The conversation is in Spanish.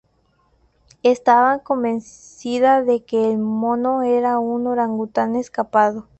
Estaba convencida de que el mono era un orangután escapado.